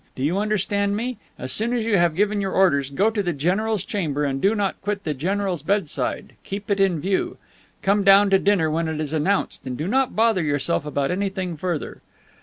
Do you understand me? As soon as you have given your orders go to the general's chamber and do not quit the general's bedside, keep it in view. Come down to dinner when it is announced, and do not bother yourself about anything further."